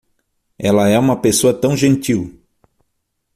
Ela é uma pessoa tão gentil.